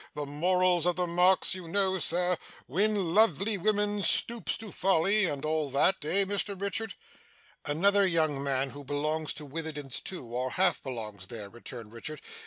The morals of the Marks you know, sir "when lovely women stoops to folly" and all that eh, Mr Richard?' 'Another young man, who belongs to Witherden's too, or half belongs there,' returned Richard.